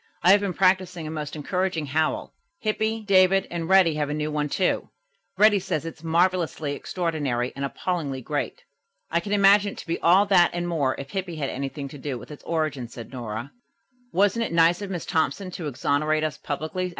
"I have been practising a most encouraging howl. Hippy, David and Reddy have a new one, too. Reddy says it's 'marvelously extraordinary and appallingly great.'" "I can imagine it to be all that and more if Hippy had anything to do with its origin," said Nora. "Wasn't it nice of Miss Thompson to exonerate us publicly?"